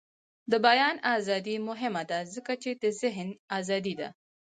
د بیان ازادي مهمه ده ځکه چې د ذهن ازادي ده.